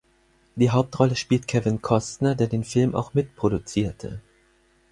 Die Hauptrolle spielt Kevin Costner, der den Film auch mitproduzierte.